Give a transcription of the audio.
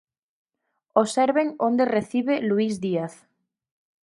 Observen onde recibe Luís Díaz.